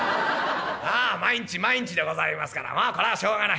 ああ毎日毎日でございますからまあこらしょうがない。